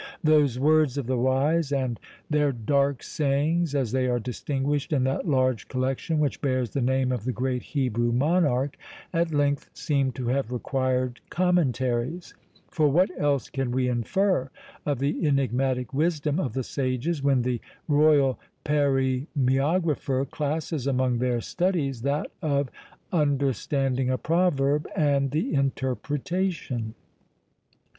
Those "WORDS OF THE WISE and their DARK SAYINGS," as they are distinguished in that large collection which bears the name of the great Hebrew monarch, at length seem to have required commentaries; for what else can we infer of the enigmatic wisdom of the sages, when the royal paroemiographer classes among their studies, that of "understanding a proverb and the interpretation?"